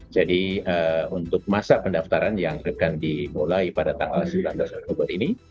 jadi untuk masa pendaftaran yang akan dimulai pada tanggal sembilan belas maret ini